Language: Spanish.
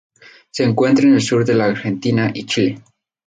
Se encuentra en el sur de la Argentina y Chile.